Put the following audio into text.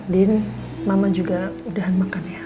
din mama juga udah makan ya